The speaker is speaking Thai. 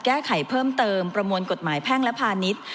แก้ไขเพิ่มเติมประมวลกฎหมายแพ่งและพาณิชย์